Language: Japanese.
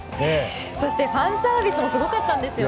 そして、ファンサービスもすごかったんですよね。